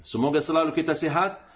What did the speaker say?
semoga selalu kita sehat